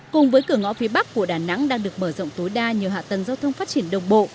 cùng với cửa ngõ phía bắc của đà nẵng đang được mở rộng tối đa nhờ hạ tầng giao thông phát triển đồng bộ